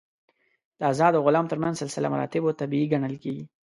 د آزاد او غلام تر منځ سلسله مراتبو طبیعي ګڼل کېږي.